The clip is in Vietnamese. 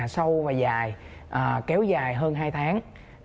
sâu và dài kéo dài hơn hai tháng